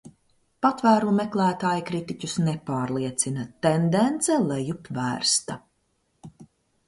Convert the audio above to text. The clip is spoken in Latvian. Patvēruma meklētāji kritiķus nepārliecina, tendence lejup vērsta.